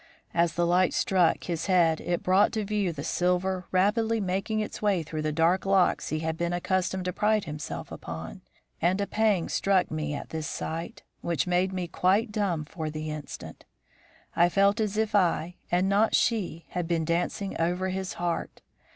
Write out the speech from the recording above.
As the light struck his head it brought to view the silver rapidly making its way through the dark locks he had been accustomed to pride himself upon, and a pang struck me at this sight, which made me quite dumb for the instant. I felt as if I, and not she, had been dancing over his heart.